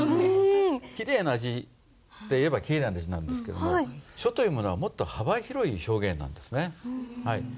きれいな字っていえばきれいな字なんですけども書というものはもっと幅広い表現なんですね。